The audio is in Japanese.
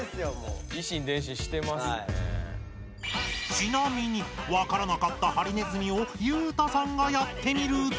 ちなみにわからなかったハリネズミを裕太さんがやってみると？